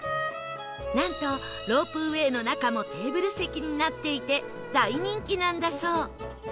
なんとロープウェイの中もテーブル席になっていて大人気なんだそう